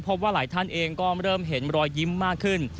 ว่าหลายท่านเองก็เริ่มเห็นรอยยิ้มมากขึ้น